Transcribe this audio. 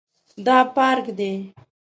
دا پارک دی